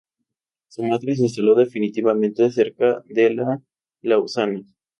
Su madre se instaló definitivamente cerca de la Lausana.